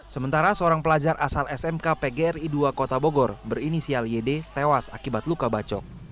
sementara seorang pelajar asal smk pgri dua kota bogor berinisial yd tewas akibat luka bacok